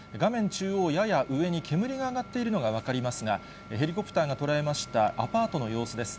中央やや上に煙が上がっているのが分かりますが、ヘリコプターが捉えましたアパートの様子です。